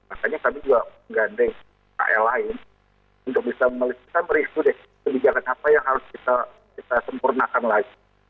artinya kami juga menggandeng ka lain untuk bisa merisu deh kebijakan apa yang harus kita sempurnakan lagi